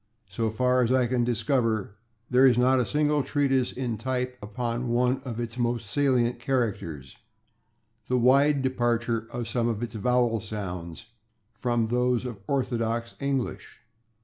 So far as I can discover, there is not a single treatise in type upon one of its most salient characters the wide departure of some of its vowel sounds from those of orthodox English.